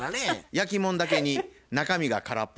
焼き物だけに中身が空っぽ。